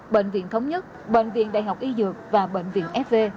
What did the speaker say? bệnh viện thống nhất bệnh viện đại học y dược và bệnh viện fv